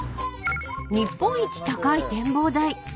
［日本一高い展望台］